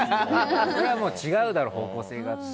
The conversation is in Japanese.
それはもう違うだろう方向性がって。